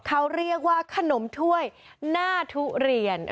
เขาเรียกว่าขนมถ้วยหน้าทุเรียน